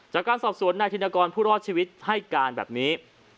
จากการสอบสวนนายธินกรผู้รอดชีวิตให้การแบบนี้